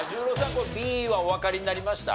これＢはおわかりになりました？